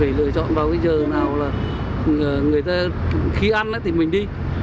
để lựa chọn vào cái giờ nào là người ta khi ăn thì mình đi